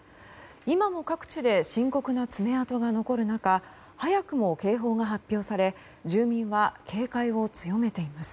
今も各地で深刻な爪痕が残る中早くも警報が発表され住民は警戒を強めています。